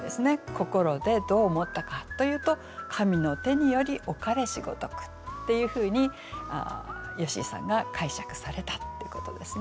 「心」でどう思ったかというと「神の手により置かれしごとく」っていうふうに好井さんが解釈されたっていうことですね。